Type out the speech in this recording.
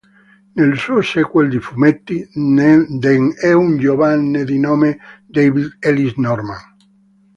Nel suo sequel di fumetti, Den è un giovane di nome David Ellis Norman.